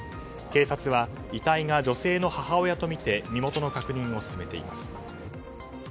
警察は遺体が女性の母親とみて身元の確認を進めています。